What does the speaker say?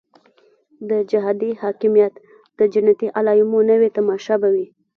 د جهادي حاکمیت د جنتي علایمو نوې تماشه به وي.